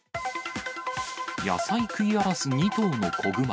野菜食い荒らす２頭の子熊。